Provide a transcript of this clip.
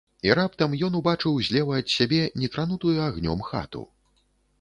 І раптам ён убачыў злева ад сябе не кранутую агнём хату.